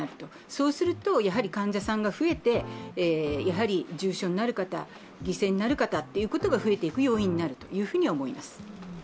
そうすると患者さんが増えて、重症になる方、犠牲になる方が増えていく要因になると思います。